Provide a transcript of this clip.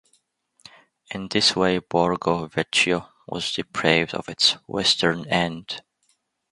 In this way Borgo Vecchio was deprived of its western end.